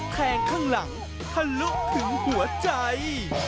แทงข้างหลังทะลุถึงหัวใจ